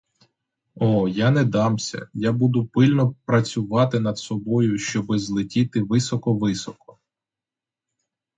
О, я не дамся, я буду пильно працювати над собою, щоби злетіти високо-високо!